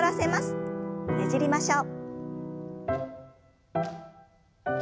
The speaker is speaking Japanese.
ねじりましょう。